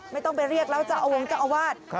ไม่ต้องไปเรียกแล้วเจ้าองค์เจ้าอวาส